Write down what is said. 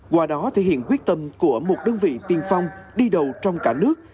qua đó thể hiện quyết tâm của một đơn vị tiên phong đi đầu trong cả nước